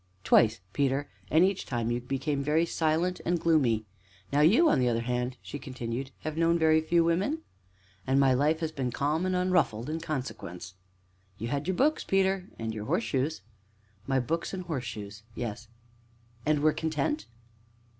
"Twice, Peter; and each time you became very silent and gloomy! Now you, on the other hand," she continued, "have known very few women?" "And my life has been calm and unruffled in consequence!" "You had your books, Peter, and your horseshoes." "My books and horseshoes, yes." "And were content?"